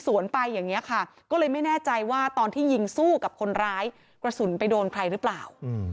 ว่าตอนที่ยิงสู้กับคนร้ายกระสุนไปโดนใครหรือเปล่า